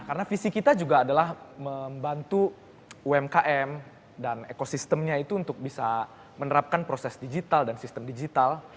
karena visi kita juga adalah membantu umkm dan ekosistemnya itu untuk bisa menerapkan proses digital dan sistem digital